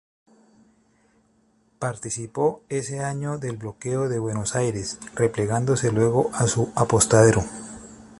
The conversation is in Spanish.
Participó ese año del bloqueo de Buenos Aires, replegándose luego a su apostadero.